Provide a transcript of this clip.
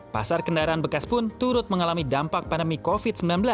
pasar kendaraan bekas pun turut mengalami dampak pandemi covid sembilan belas